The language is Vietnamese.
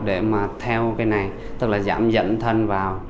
để mà theo cái này tức là giảm dẫn thân vào